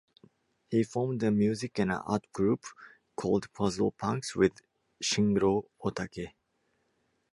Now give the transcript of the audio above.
He formed a music and art group called Puzzle Punks, with Shinro Ohtake.